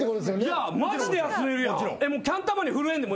いやマジで休めるやん。